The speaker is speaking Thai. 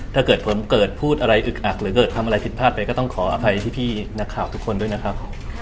ถ้าเกิดผมเกิดพูดอะไรอึกอักหรือเกิดทำอะไรผิดพลาดไปก็ต้องขออภัยพี่นักข่าวทุกคนด้วยนะครับ